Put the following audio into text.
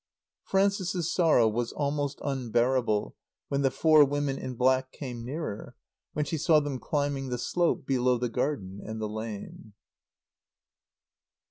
Frances's sorrow was almost unbearable when the four women in black came nearer, when she saw them climbing the slope below the garden and the lane.